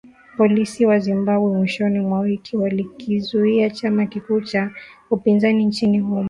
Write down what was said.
Polisi wa Zimbabwe, mwishoni mwa wiki ,walikizuia chama kikuu cha upinzani nchini humo kufanya mikutano kabla ya uchaguzi wa machi ishirini na sita